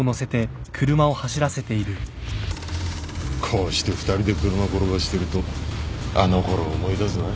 こうして２人で車転がしてるとあのころを思い出すな。